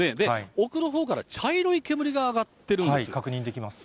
奥のほうから茶色い煙が上がって確認できます。